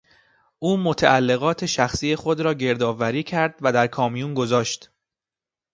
او متعلقات شخصی خود را گردآوری کرد و در کامیون گذاشت.